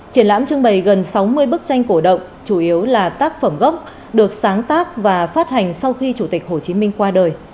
triển lãm trưng bày gần sáu mươi bức tranh cổ động chủ yếu là tác phẩm gốc được sáng tác và phát hành sau khi chủ tịch hồ chí minh qua đời